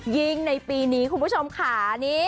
ยิ่งในปีนี้คุณผู้ชมค่ะ